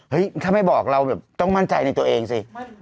ถ้าไม่บอกเราแบบต้องมั่นใจในตัวเองสิ